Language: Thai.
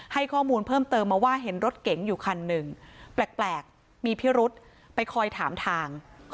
ให้ข้อมูลเพิ่มเติมมาว่าเห็นรถเก๋งอยู่คันหนึ่งแปลกมีพิรุษไปคอยถามทาง